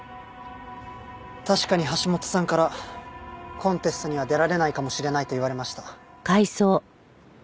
確かに橋本さんからコンテストには出られないかもしれないと言われました。